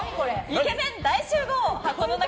イケメン大集合！